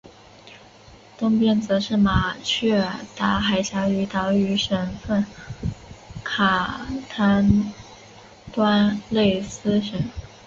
东边则是马却达海峡与岛屿省份卡坦端内斯省。